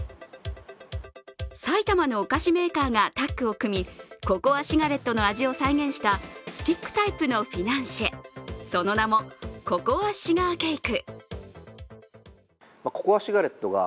埼玉のお菓子メーカーがタッグを組みココアシガレットの味を再現した、スティックタイプのフィナンシェ、その名もココアシガーケイク。